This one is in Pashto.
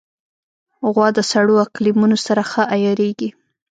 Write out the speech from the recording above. غوا د سړو اقلیمونو سره ښه عیارېږي.